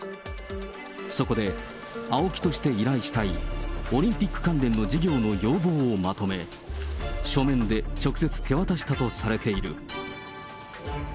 そこでＡＯＫＩとして依頼したいオリンピック関連の事業の要望をまとめ、書面で直接手渡したとされている。